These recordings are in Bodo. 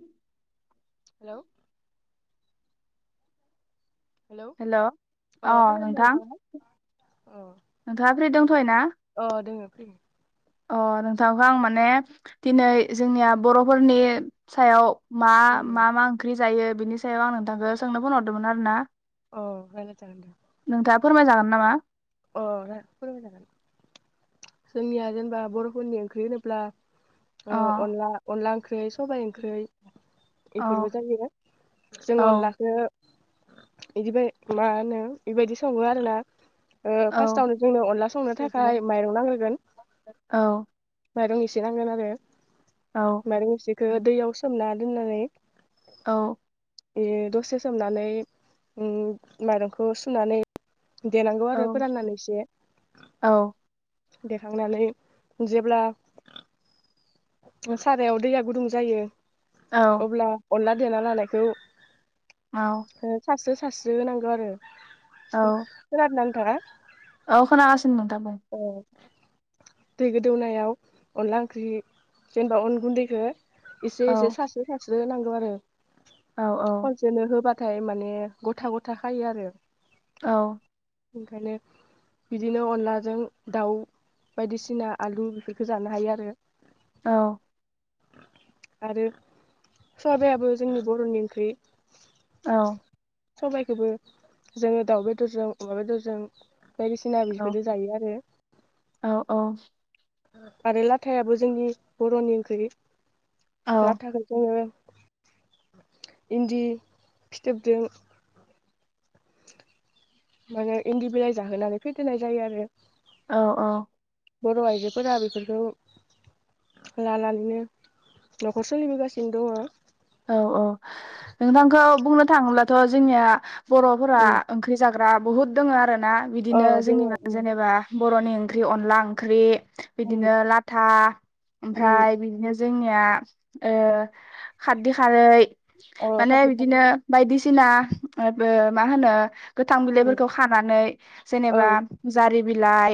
उ हेल' हेल' अ खोनादों ना नोंथां नोंथाङा? अ नोंथाङा फ्रि दंथ'य ना ए अ नोंथांखौ आं माने दिनै जोंनिया बर'फोरनि सायाव म उम म मा ओंख्रि जायो बिनि सायाव आं नोंथांखौ सोंनो फनहरदोंमोन आरो ना अहाल जागोन दा नोंथाङा फोरमाय जागोन नामा अ फोरमाय जागोन जोंनिया जेनेबा बर'फोरनि ओंख्रि होनोब्ला अ अला अलाां क्राइ सबायाइ ओंख्रि औ बेफोरबो जायो जों औ अनलाखौ बिदिबाय मा होनो बेबायदि सङो आरोना औ फार्स्टावनो जोंनो अनला संनो थाखाय माइरं नांहोगोन औ माइरं एसे नांगोन आरो औ मार मिसेखौो दैयाव सोमना न न बे औ दसे सोमनानै माइरंखौ सुनानै दनाांगव आरो फोराननानैसो देखांनानै जेब्ला सारायाव दैया गुदुं जायो औ अब्ला अनला देना लानायखौ औ सासे सास्रि होनांगौ आरो [unintelligible] औ खोनादोना नों फोरा औ खोनागासिनो नोंथां बुं ओ दै गोदौनायाव अनला ओंख्रि जेनेबा अन गुन्दैखो औ एसे एसे सास्रि सास्रि बो होनांगौ आरो औ खनसेनो होबा थाय माने गथा गथा खायो आरो औ ओंखायनो बिदिनो अनला जों दाउ बायदिसिना आलु बेफोरखो जानो हायो आरो औ आरो सबयाबो जोंनि बर'नि ओंख्रि औ सबायाइखोबो जोङो दाउ बेदरजों अमा बेदरजों बायदिसिना बेफोरदो जायो आर औ-औ औ आरो लाथायाबो जोंनि बर'नि ओंख्रि लाथा खो जोङो इन्दि फिथोबजों माने इन्दि बिलाइ जाहोनानै फेदेरनाय जायो आरो औ-औ बर' आइजोफोरा बेफोरखौ लानानैनो न'खर सोलिबोगासिनो दङ औ-औ नोंथांखौ बुंनो थाङोब्लाथ' जोंनिया बर'फोरा उम ओंख्रि जाग ग्रा बहुत दङ आ रोना अ बिदिनो जोंनि दोङो मा उम जेनेबा बर'नि ओंख्रि अनला ओंख्रि उम बिदिनो लाथा ओमफ्राय उम बिदिनो जोंनिया ओ खारदै खारै अ माने खाथि खाला बिदिनो बायदिसिना ओ बो मा होनो गोथां उम बिलाइफोरखौ खानानै औ जेनेबा जारि बिलाइ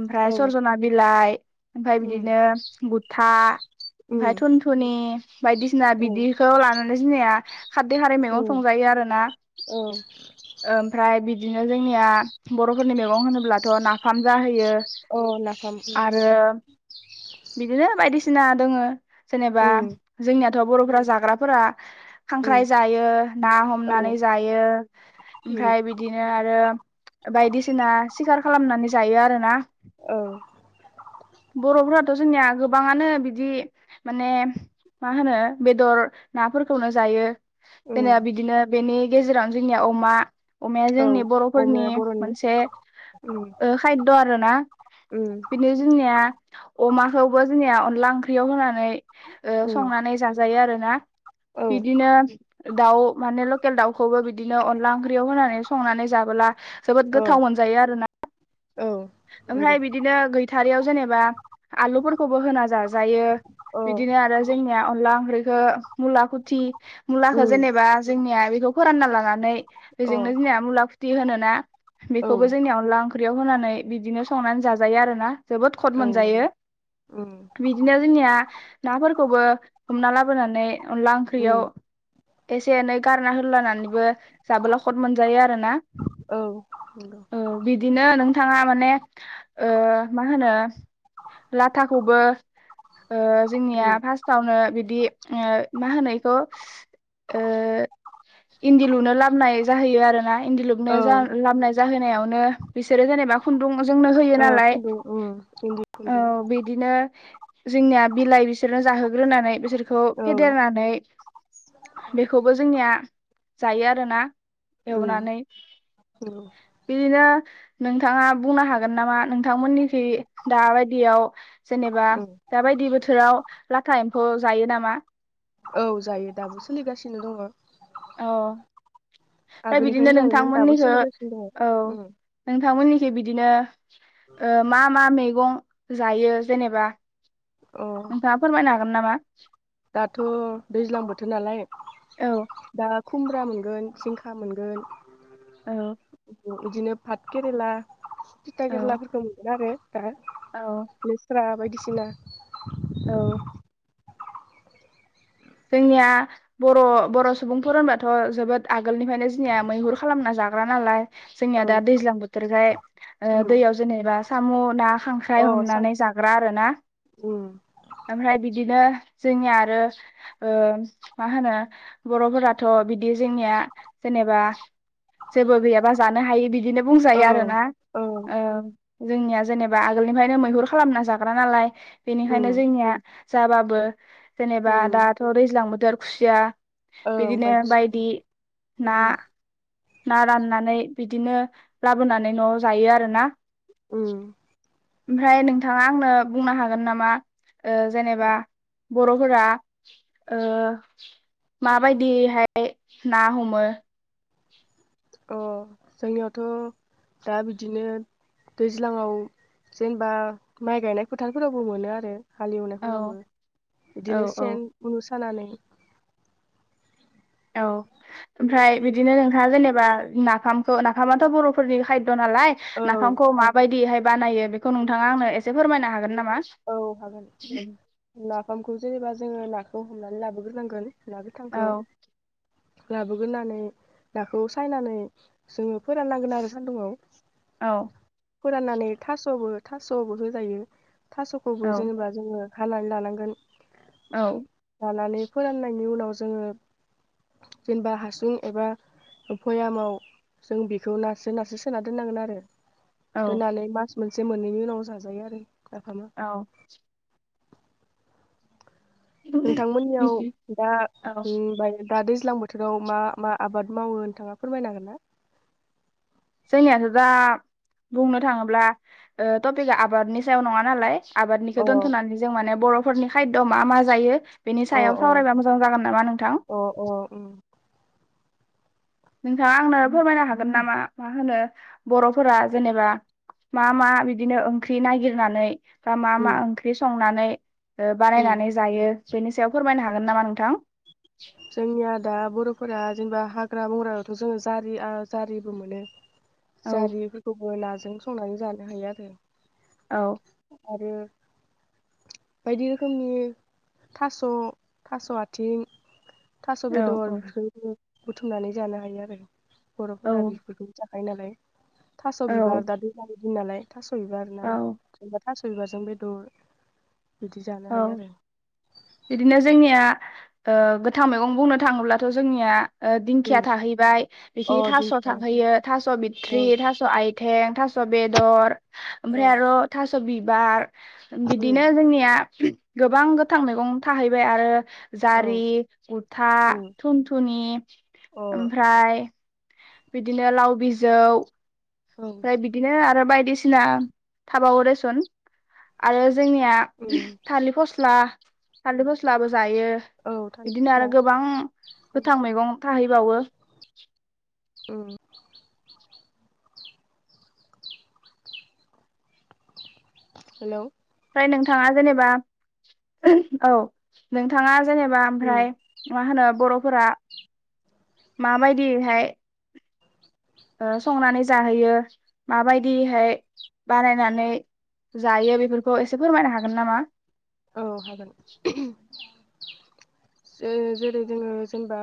ओमफ्राय औ सरजना बिलाइ ओमफ्राय उम बिदिनो बुथा उम ओमफ्राय थुनथुनि [unintelligible] सिना उम बिदिखौ लानानै सिनाया खारदै खारै मैगं उम संजायो आरोना औ ओमफ्राय बिदिनो जोंनिया बर' फोरनि मैगं होनोब्लाथ' नाफाम जाहोयो अ नाफाम आरो बिदिनो बायदिसिना दङो जेनेबा उम जोंनिया थ बर'फोरा जाग्राफोरा उम खांख्राइ जायो ना औ हमनानै जायो उम ओमफ्राय बिदिनो आरो बायदिसिना सिखार खालामनानै ज जायो आरो ना औ बर'फोराथ' जोंनिया गो गोबाङानो बिदि माने मा होनो बेदर नाफोरखौनो जायो [unintelligible] उम आ बिदिनो बेनि गेजेराव जोंनिया अमा अमाया औ जोंनि बर'फोरनि अमाया बर'नि मोनसे उम ओ खायद' आरो ना उम बिदिनो जोंनिया अमाखौबो जोंनिया लांख्रियाव होनानै फाय ओ उम संनानै दा जायो आरो ना औ बिनो दाउ माने लकेल दाउखौबो बिदिनो अनला ओंख्रियाव होनानै संनानै जाबोला जोबोद ओ गोथाव मोनजायो आरोना औ नंगौ ओमफ्राय बिदिनो गैथारैयाव जो जेनेबा आलुफोरखौबो होना जा ज जायो अ बिदिनो आरो जोंनिया अनला ओंख्रैखो मुलाखुथि मुलाखो उम जेनेबा जोंनिया बेखौ फोरानना लानानै अ बेजोंनो जोंनिया मुला खुथि होनोना औ बेखौबो जोंनिया अनला ओंख्रि बेयाव होनानै बिदिनो संनानै जाजायो आरो ना जोबोद कद औ मोनजायो नंगौ उम बिदिनो जोंनिया नाफोरखौबो हमना लाबोनानै अनला ओंख्रियाव उम एसे एनै गारना होलानानैबो। जाबोला खद मोनजायो आरोना औ नंगौ औ बिदिनो नोंथां। थांङा माने ओ मा होनो लाथाखौबो ओ जोंनिया उम फार्स्टावनो बिदि ओ मा होनायखौ ओ इन्दि लुनो लाबोननाय जाहैयो आरोना। इन्दि लुनो औ लामबोनाय। बिसोरो जेनेबा खुन दुं जोंनो होयो ओ नालाय खुन्दुं उम इन्दि खुन्दुं औ बिदिनो जोंनिया बिलाइ बिसोरनो जाहोग्रोनानै गिदिरखौ औ फेदेरनानै बेखौबो जोंनिया जाय आरो ना। उम एवनानै नंगौ बिदिनो नोंथांङा बुंनो हागोन नामा नोंथांमोननि खै दाबायदियाव जेनेबा उम दाबायदि बोथोराव लाथा फैज जायो नामा? औ जायो दाबो सोलिगासिनो दङ। औ ओमफ्राय बिदिनो आगोलनिफ्रायनो जायोमोन दाबो नोंथांमोननिखौ सोलिगासिनो दङ औ उम नोंथांमोननिथिं बिदिनो ओ मा मा मैगं जायो जेनेबा अ नोंथांङा फोरमायनो हागोन नामा? औ दाथ' दैज्लां बोथोर नालाय औ दा खुमब्रा मोनगोन जिंखा मोनगोन। औ बिदिनो पाट केेरेला थिथा औ खेरलाफोरखौ मोनगोन आरो। औ लेस्रा बायदि सिना। औ जोंनिया बर' बर' सुबुंफोर होनबाथ' जोबोद आगोलनिफ्रायनो जोंनिया मैहुर खालामना जाग्रा नालाय। जोंनिया औ दा दैज्लां बोथोरखाय ओ उम दैयाव जेनेबा साम' ना अ खांख्राइ साम हमनानै जाग्रा आर ना उम ओमफ्राय बिदिनो जोंनि आरो ओ मा होनो बर'फोराथ' बिदि जोंनिया जेनेबा जेबो गैयाबा जानो हायो बि बिदिनो औ बुंजायो आरोना। औ ओ जोंनिया जेनेबा आगोलनिफ्रायनो मैहुर खालामना जाग्रा नालाय। बेनिखायनो उम जोंनिया जाबाबो जेनेबा दा उम दैज्लां बोथोर खुसिया ओं बिदिनो बायदिसिना बायदि ना उम ना राननानै बिदिनो लाबोनानै न'आव जायो आरोना। उम ओमफ्राय नोंथाङा आंनो बुंनो हागोन नामा ओ जेनेबा बर'फोरा ओ माबायदिहाय ना हमो? अ जोंनियावथ' दा बिदिनो दैज्लाङाव जेनेबा माइ गायनाय फोथारफोरावबो मोनो आरो। औ हालेवनायफोरावबो औ बिदिनो औ सेन, सानानै औ ओमफ्राय बिदिनो नोंथाङा जेनेबा नाफामखौ नाफामाथ' बर'फोरनि खाय द नालाय औ नाफामखौ माबायदिहाय बानायो बेखौ नोंथाङा आंनो एसे फोरमायनो हागोन ना औ हागोन नाफामखौ जेनेबा जोङो ना खौ हमनानै लाबोग्रोनांगोन। ना गोथांखौ औ लाबोगोनानै नाखौ सायनानै जोङो फोराननांगोन आरो सान्दुंआव। औ फोराननानै थास'बो थास'बो होजायो। औ थास'खौबो जेनेबा जोङो खानानै लानांगोन। औ लानानै फोराननायनि उनाव जोङो जेनेबा हासुं एबा भयामाव जों बेखौ नारस्रो नारस्रो सोना दोननांगोन आरो। औ दोननानै मास मोनसे मोननैनि उनाव जाजायो आरो। नाफामा औ नोंथांमोननियाव दा औ [unintelligible] दा दैज्लां बोथोराव मा मा आबाद मावो नोंथाङा फोरमायनो हागोन ना? जोंनियासो दा बुंनो थाङोब्ला टपिकआ आबादनि सायाव नङा नालाय अ आबादनिखौ दोन्थ'नानै जों माने बरफ फोरनि खायद' मा मा जायो बेनि अ सायाव अ सावरायबा मोजां जागोन नामा नोंथां अ अ उम नोंथाङा आंनो फोरमायनो हागोन नामा मा होनो बर'फोरा जेनेबा मा मा बिदिनो ओंख्रि नागिरनानै बा मा मा उम ओंख्रि सङो संनानै उम बानायनानै जायो बेनि सायाव फोरमायनो हागोन नामा नोंथां जोंनिया दा बर'फोरा जेनेबा ह हाग्रा बंग्रायावथ' जोङो जारि जारिबो मोनो औ जारि बो नाजों संनानै जानो हायो आरो औ आरो बायदि रोखोमनि थास' थास' आथिं थास' औ बेदर बेफोरनो बुथुमनानै जानो हायो आरो औ बर'फोरा बेखौ [unintelligible] थास' औ बिबार दा बिदि नालाय थास' बिबार ना औ थास' बिबारजों बेदर बिदि जानो औ हायो आरो बिदिनो जोंनिया गोथां मैगं बुंनो थाङोब्लाथ' जोंनिया दिंखिया उम थाहैबाय अ बिखिनि थास' दिंखिया थाहैयो थास' औ बिथट्रि थास' आइथ थें थास' बेदर औ ओमफ्राय आरो थास' थास' बिबार बिदिनो जोंनिया गोबां गोथां मैगं थाहैबाय आरो औ जारि उथा उम थुनथुनि अ ओमफ्राय बिदिनो लाव बिजौ औ बिदिनो आरो बायदिसिना थाबावो देसुन आरो जोंनिया उम थालिर फस्ला थालिर फस्लाबो जायो औ थालिर बिदिनो फस्ला आरो गोबां गोथां मैगं थाहैबाय [inaudible] ओम। हेलौ। फ्राय नोंथाङा जेनेबा औ नोंथाङा। जेनेबा आमफ्राय मा होनो बर'। फोरा माबायदिहाय। ओ संनानै जाहोयो माबायदिहाय बानायनानै जायो बेफोरखौ एसे फोरमायनो हागोन नामा? औ हागोन। ओ जेरै जोङो जेनेबा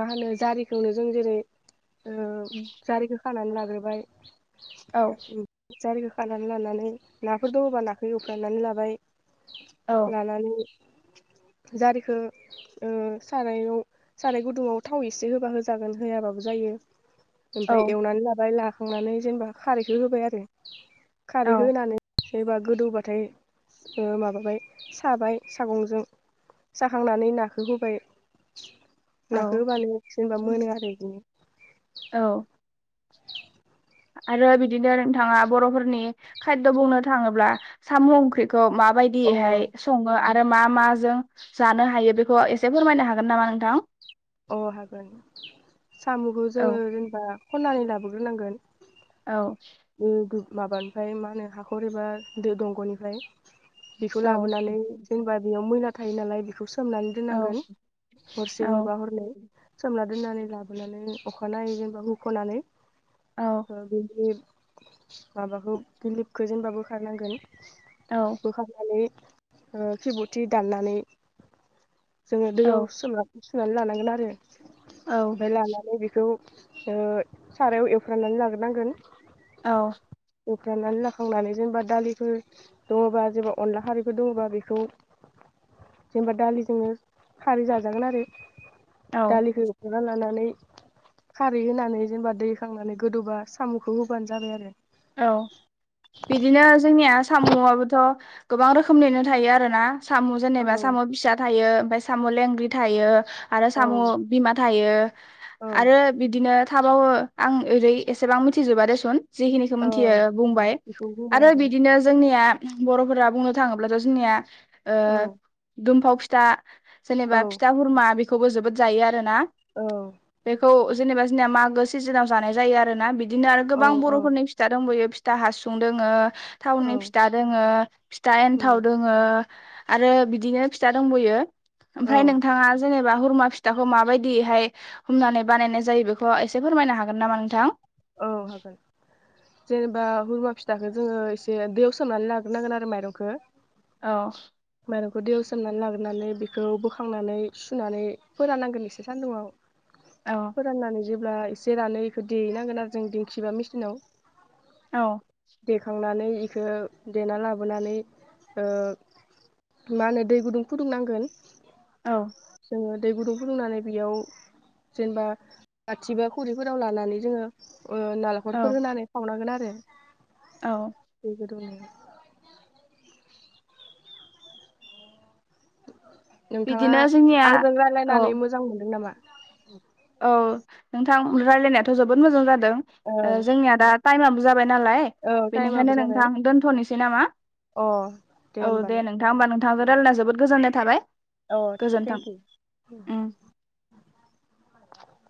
मा होनो जारिखौनो जों जेरै। जारिखो। खानानै लाग्रोबाय। औ ओ जारि नानै लानानै नाफोर दङबा नाखौ एवफ्रामनानै लाबाय। औ लानानै। जारिखो सारायाव साराइ गुदुङाव थाव एसे होबा होजागोन होआबाबो जायो। औ ओमफ्राय एवनानै लाबाय ला खांनानै जेनेबा खारैखौ होबाय आरो। खारै औ होनानै। एबाबा गोदौबाथाय। ओ माबाबाय साबाय सागंजों साखांनानै नाखौ होबाय। नाखौ औ होबानो जेनेबा मोनो आरो बिदिनो। औ आरो बिदिनो नोंथाङा बर'फोरनि खायद' बुंनो थाङोब्ला साम' ओंख्रि। खौ औ माबायदिहाय सङो आ मा माजों जानो हायो बेखौ एसे फोरमायनो हागोन नामा नोंथां। औ हागोन। साम'खौ जोङो औ जेनेबा। खन्नानै लाबोग्रोनांगोन। औ। ओ बे माबानिफ्राय मा होनो हाखर एबा दंग'निफ्राय। बेखौ औ लाबोनानै जेनबा बेयाव मैला थायो नालाय बेखौ सोमनानै औ दोननांगोन हरसे औ हरबा हरनै सोमना [inaudible] लाबोनानै अखानायै जेनबा हुख'नानै औ ओ [inaudible] माबाखौ गिलिबखौ जेनबा बोखारनांगोन बोखारनानै ख्रिबुथि दाननानै जोङो औ दैया [unintelligible] [inaudible] लानांगोन आरो औ बे लानानै बिखौ सारायाव एवफ्रामनानै लाग्रोनांगोन औ एवफ्रामनानै लाखांनानै जेनेबा दालिफोर दङबा जेनेबा अनला खारैफोर दङबा बेखौ जेनेबा दालिजोंनो खारै जाजागोन आरो। औ दालिखौ होख'ना लानानै खारै होनानै जेनेबा दैखांनानै गोदौबा साम'खौ होबानो जाबाय आरो। औ बिदिनो जोंनिया साम'आबोथ' गोबां रोखोमनिनो थायो आरोना साम' औ जेनेबा साम' फिसा थायो ओमफ्राय साम' लेंग्रि थायो आरो साम' औ बिमा थायो औ आरो बिदिनो आं ओरै एसेबां मिथिजोबा देसुन जि मिथियो ओं बुंबाय बेखौ बुंबाय आरो बिदिनो जोंनिया बर'फोरा बुंनो थाङोब्लाथ' जोंनिया ओ औ दुमफाव फिथा औ जेनेबा फिथा हुरमा बि खौबो जोबोद जायो आरो ना औ बेखौ जेनेबा जोंनिया मागो सिजोनाव जानाय जायो आरो ना बि बिदिनो आरो औ गोबां औ बर'फोरनि दंबोयो फिथा हासुं दोङो औ थावनि फिथा दोङो फिथा एन्थाव उम दोङो आरो बिदिनो फिथा दंबयो औ ओमफ्राय नोंथाङा जेनेबा हुरमा फिथाखौ माबायदिहाय हमनानै बानायनाय जायो बेखौ एसे फोरमायनो हागोन नामा नोंथां? औ हागोन जेनेबा हुरमा फिथाखौ जोङो एसे दैयाव सोमनानै लाग्रोनांगोन आरो माइरंखौ औ मायरंखौ दैयाव सोमनानै लाग्रोनानै बेखौ बोखांनानै सुनानै फोरानांगोन एसे सान्दुुंआव औ फोरान नानै जेब्ला एसे रानो बेखौ देहैनांगोन आरो जों दिंखिबा मेसिनाव औ देखांनानै ईखौ देना लाबोनानै ओ मा होनो दै गुदुं फुदुं नांगोन औ जोङो दै गुदुं फुदुंनानै बेयाव जेनेबा आथि बा खरिफोराव लानानै जोङो औ नालेंखरफोर होनानै खावनांगोन आरो ए औ। दनिया। नोंथाङा बिदिनो जोंनिया आंजों औ रायज्लायनानै मोजां मोनदों नामा औ नोंथां रायजलायनायाथ' जोबोद मोजां जाद जों ओं ओ जोंनिया दा ताइमा नालाय औ टाइमाबो बेनिखायनो जाबाय नोंथां दोन्थ'नोसै नामा अ औ होमबा दे न' नोंथां ओमबा नोंथांजों रायज्लायना जोबोद गोजोननाय थाबाय अ गोजोन्थों थेंक इउ। उम